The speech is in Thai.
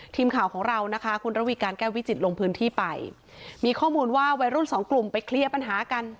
ทีมข่าวของเรานะคะคุณระวีการแก้ววิจิตรลงพื้นที่ไปมีข้อมูลว่าวัยรุ่นสองกลุ่มไปเคลียร์ปัญหากัน